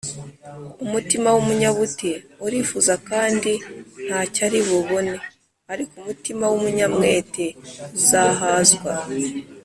umutima w’umunyabute urifuza kandi nta cyo ari bubone, ariko umutima w’umunyamwete uzahazwa